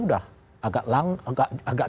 sudah agak lang agak